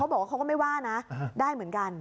บอกว่าเขาก็ไม่ว่านะได้เหมือนกัน